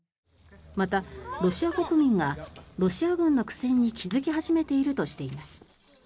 また、ロシア国民がロシア軍の苦戦に気付き始めているとしています。